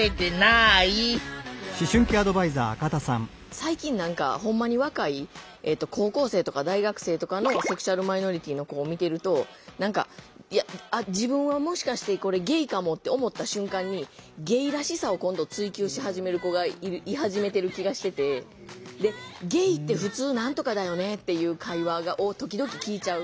最近何かほんまに若い高校生とか大学生とかのセクシュアルマイノリティーの子を見てると自分はもしかしてゲイかもって思った瞬間にゲイらしさを今度追求し始める子がい始めてる気がしてて。っていう会話を時々聞いちゃう。